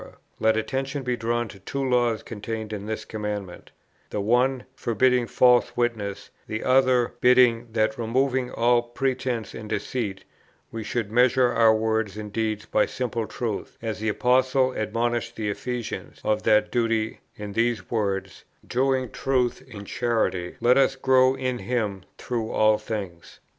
let attention be drawn to two laws contained in this commandment: the one, forbidding false witness; the other bidding, that removing all pretence and deceits, we should measure our words and deeds by simple truth, as the Apostle admonished the Ephesians of that duty in these words: 'Doing truth in charity, let us grow in Him through all things.'